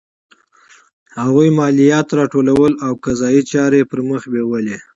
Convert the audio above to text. هغوی مالیات راټولول او قضایي چارې یې پرمخ بیولې.